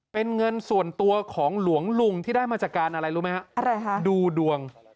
เป็นเงินส่วนตัวของหลวงลุงที่ได้มาจากการอะไรรู้ไหมฮะอะไรฮะดูดวง